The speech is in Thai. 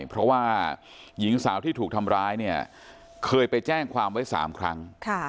เพราะว่าหญิงสาวที่ถูกทำร้ายเนี่ยเคยไปแจ้งความไว้๓ครั้ง